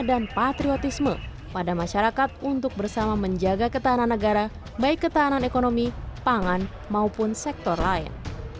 dan patriotisme pada masyarakat untuk bersama menjaga ketahanan negara baik ketahanan ekonomi pangan maupun sektor lain